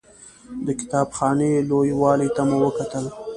د کتاب خانې لوی والي ته مو وکتل.